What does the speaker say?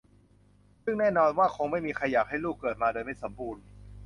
ซึ่งแน่นอนว่าคงไม่มีใครอยากให้ลูกเกิดมาโดยไม่สมบูรณ์